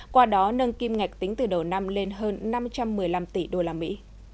qua đó nâng kim ngạch tính từ đầu năm lên hơn năm trăm một mươi năm tỷ đô la mỹ